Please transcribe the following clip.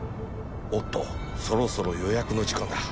おっとそろそろ予約の時間だ